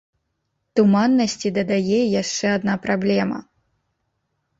Туманнасці дадае яшчэ адна праблема.